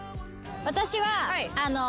私は。